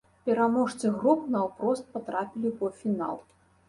Пераможцы груп наўпрост патрапілі ў паўфінал.